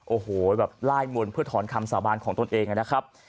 โอ้โหแบบไล่มนต์เพื่อถอนคำสาบานของตนเองนะครับ